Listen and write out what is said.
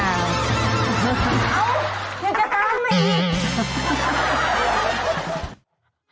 เอ้ายังจะตามมาอีก